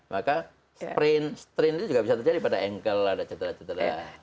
maka strain itu juga bisa terjadi pada ankle ada cetera cetera